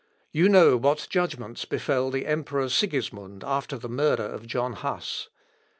You know what judgments befel the emperor Sigismund after the murder of John Huss.